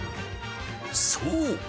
そう！